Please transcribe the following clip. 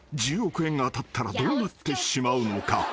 ［１０億円が当たったらどうなってしまうのか？］